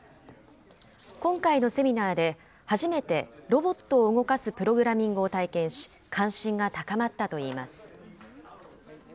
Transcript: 今回のセミナーで初めてロボットを動かすプログラミングを体験し、関心が高まったといいます。